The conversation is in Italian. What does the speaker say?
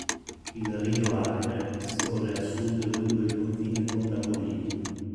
Il Rio Acre scorre a sud lungo il confine con la Bolivia.